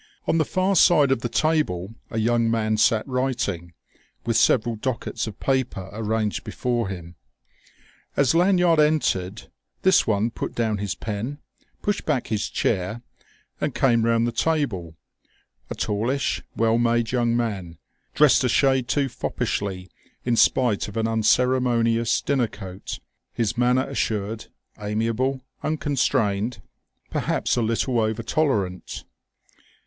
On the far side of the table a young man sat writing, with several dockets of papers arranged before him. As Lanyard entered, this one put down his pen, pushed back his chair, and came round the table: a tallish, well made young man, dressed a shade too foppishly in spite of an unceremonious dinner coat, his manner assured, amiable, unconstrained, perhaps a little over tolerant.